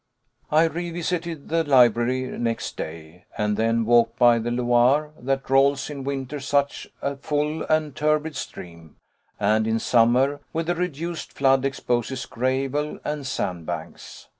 I revisited the library next day, and then walked by the Loire, that rolls in winter such a full and turbid stream, and in summer, with a reduced flood, exposes gravel and sand banks.